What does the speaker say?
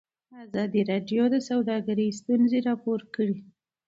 ازادي راډیو د سوداګري ستونزې راپور کړي.